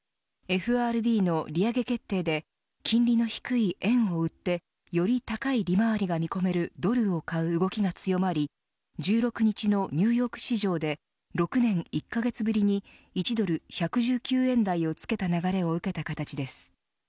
ＦＲＢの利上げ決定で金利の低い円を売ってより高い利回りが見込めるドルを買う動きが強まり１６日のニューヨーク市場で６年１カ月ぶりに１ドル１１９円台をつけた流れを受けた形です。